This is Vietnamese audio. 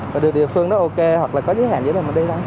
và được địa phương đó ok hoặc là có giới hạn giới hạn mình đi đâu